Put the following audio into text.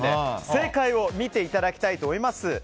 正解を見ていただきたいと思います。